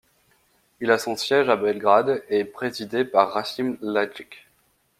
Il a son siège à Belgrade et est présidé par Rasim Ljajić.